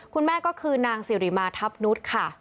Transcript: คุณแม่ก็คือนางสิริมาทัพนุษย์ค่ะ